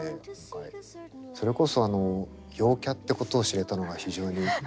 それこそ陽キャってことを知れたのが非常に。